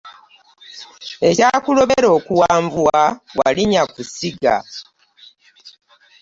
Ekyakulobera okuwanvuwa walinnya ku ssiga.